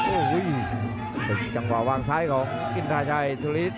โอ้ยจังหวะวางซ้ายของอินทาชัยสุริริตร